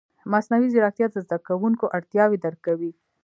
مصنوعي ځیرکتیا د زده کوونکو اړتیاوې درک کوي.